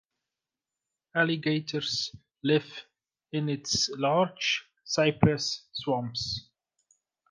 Alligators live in its large cypress swamps.